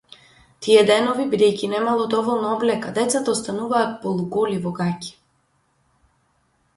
Тие денови, бидејќи немало доволно облека, децата остануваат полуголи, во гаќи.